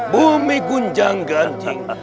bumi gunjang ganjing